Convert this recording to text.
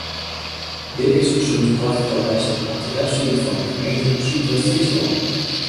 Dit is sûnt koart te lêzen op de webside fan gemeente Súdwest-Fryslân.